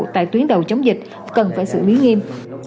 tại tuyến đầu chống dịch cần phải xử lý nghiêm